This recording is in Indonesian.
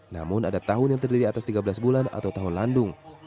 namun ada tahun yang terdiri atas tiga belas bulan atau tahun landung